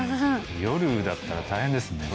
夜だったら大変ですね